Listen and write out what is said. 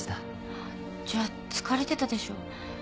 あじゃあ疲れてたでしょ。